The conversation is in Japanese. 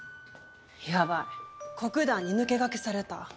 ヤバい黒壇に抜け駆けされた。